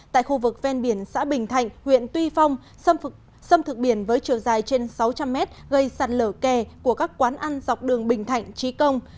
tại khu vực ven biển xã bình thạnh huyện tuy phong xâm thực biển với chiều dài trên sáu trăm linh mét gây sạt lở kè của các quán ăn dọc đường bình thạnh trí công